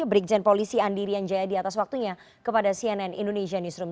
berikjian polisi andirian jaya di atas waktunya kepada cnn indonesian newsroom